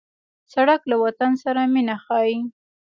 سړک له وطن سره مینه ښيي.